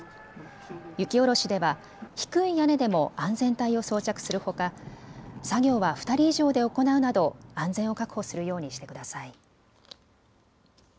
雪下ろしでは低い屋根でも安全帯を装着するほか作業は２人以上で行うなど安全を確保するようにしてください。